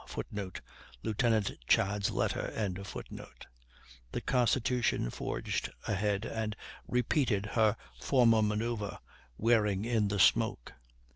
[Footnote: Lieutenant Chads' letter.] The Constitution forged ahead and repeated her former manoeuvre, wearing in the smoke.